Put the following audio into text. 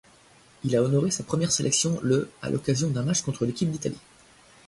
Il a honoré sa première sélection le à l'occasion d'un match contre l'équipe d'Italie.